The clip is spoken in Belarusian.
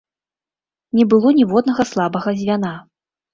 Не было ніводнага слабага звяна.